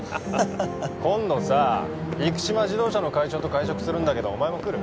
今度さ生島自動車の会長と会食するんだけどお前も来る？